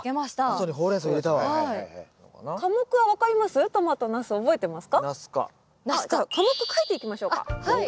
あじゃあ科目書いていきましょうか。